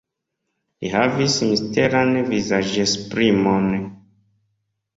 Li havis misteran vizaĝesprimon.